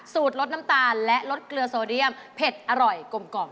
สูตรรสน้ำตาลและรสเกลือโซเดียมเผ็ดอร่อยกลม